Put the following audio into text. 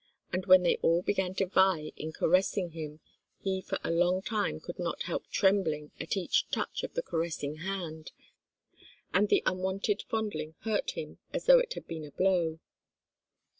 And when they all began to vie in caressing him, he for a long time could not help trembling at each touch of the caressing hand, and the unwonted fondling hurt him as though it had been a blow.